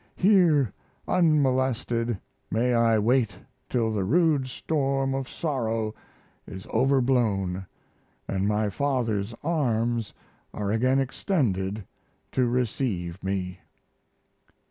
Here unmolested may I wait till the rude storm of sorrow is overblown and my father's arms are again extended to receive me."